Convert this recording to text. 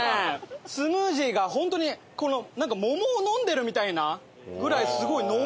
スムージーが本当にこの桃を飲んでるみたいなぐらいすごい濃厚ですね。